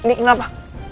bel ini kenapa